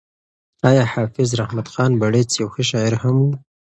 ایا حافظ رحمت خان بړیڅ یو ښه شاعر هم و؟